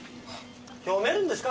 読めるんですか？